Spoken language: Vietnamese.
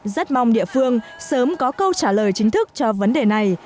rất mong địa phương sớm có câu trả lời chính thức cho vấn đề này